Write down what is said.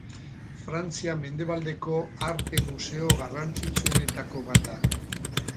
Frantzia mendebaldeko arte museo garrantzitsuenetako bat da.